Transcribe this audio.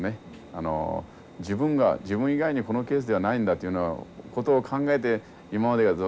あの自分が自分以外にこのケースではないんだというのをことを考えて今まではずっと放ってきたと思います。